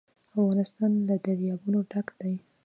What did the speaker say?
افغانستان له دریابونه ډک دی.